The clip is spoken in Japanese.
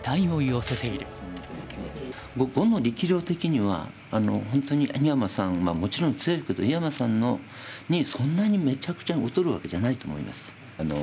碁の力量的には本当に井山さんはもちろん強いけど井山さんにそんなにめちゃくちゃ劣るわけじゃないと思います。